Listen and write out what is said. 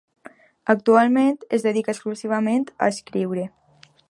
Actualment es dedica exclusivament a escriure.